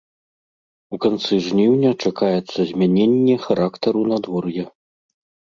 У канцы жніўня чакаецца змяненне характару надвор'я.